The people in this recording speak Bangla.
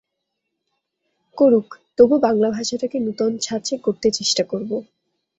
করুক, তবু বাঙলা ভাষাটাকে নূতন ছাঁচে গড়তে চেষ্টা করব।